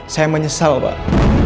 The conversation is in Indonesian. saya menyesal pak